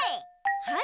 はい！